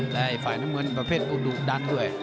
และฝ่ายน้ำเมืองประเภทอุดดุดันด้วย